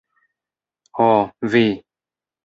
Ho, vi!